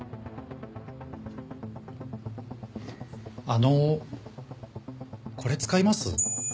あのこれ使います？